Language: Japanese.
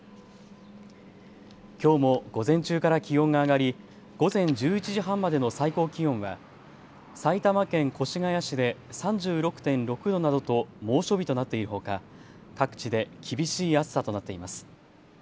きょうも午前中から気温が上がり午前１１時半までの最高気温は埼玉県越谷市で３６．６度などと猛暑日となっているほか各地で厳しい暑さとなっています。